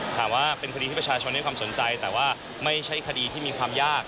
ถามว่าเป็นคดีที่ประชาชนให้ความสนใจแต่ว่าไม่ใช่คดีที่มีความยาก